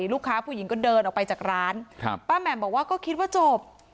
ลูกค้าผู้หญิงก็เดินออกไปจากร้านครับป้าแหม่มบอกว่าก็คิดว่าจบ